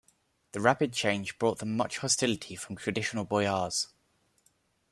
The rapid change brought them much hostility from traditional boyars.